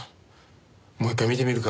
もう一回見てみるか。